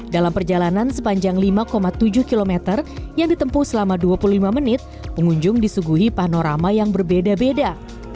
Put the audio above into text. dalam perjalanan sepanjang lima tujuh km yang ditempuh selama dua puluh lima menit pengunjung disuguhi panorama yang berbeda beda